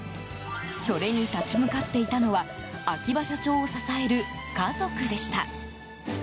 それに立ち向かっていたのは秋葉社長を支える家族でした。